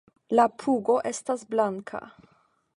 La pugo estas blanka.